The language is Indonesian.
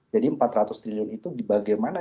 jadi empat ratus triliun itu bagaimana